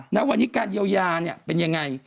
แล้ววันนี้การเยียวยาเป็นยังไง